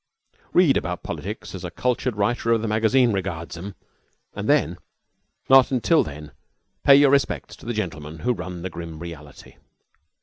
Read about politics as the cultured writer of the magazine regards 'em, and then, and not till then, pay your respects to the gentlemen who run the grimy reality.